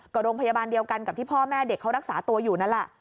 ก็โรงพยาบาลเดียวกันกับที่พ่อแม่เด็กเขารักษาตัวอยู่นั่นแหละ